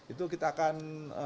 itu kita akan